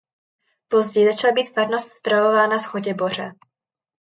Později začala být farnost spravována z Chotěboře.